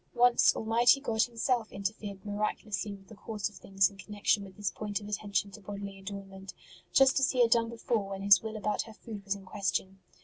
Once Almighty God Himself interfered miraculously with the course of things in connection with this point of attention to bodily adornment, just as He had done before when His will about her food was in question.